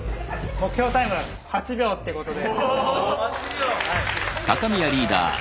目標タイム８秒ってことで。